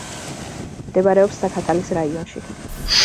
მდებარეობს ზაქათალის რაიონში.